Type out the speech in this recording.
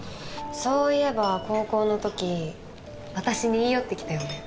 そういえば高校の時私に言い寄ってきたよね？